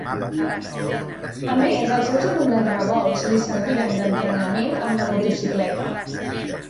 A més, els seus abundants revolts li serviren d'entrenament amb la motocicleta.